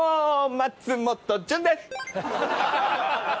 松本潤です！